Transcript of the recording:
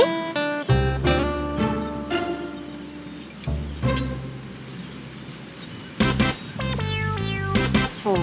โอ้โห